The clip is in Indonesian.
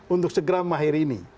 untuk segera mahir ini